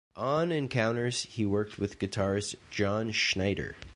On Encounters he worked with guitarist John Schneider.